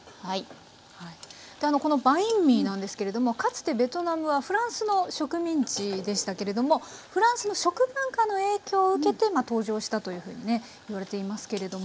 このバインミーなんですけれどもかつてベトナムはフランスの植民地でしたけれどもフランスの食文化の影響を受けて登場したというふうにねいわれていますけれども。